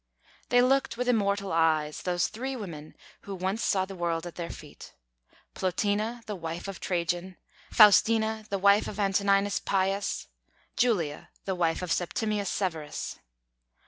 They look with immortal eyes, those three women who once saw the world at their feet: Plotina, the wife of Trajan; Faustina, the wife of Antoninus Pius; Julia, the wife of Septimius Severus.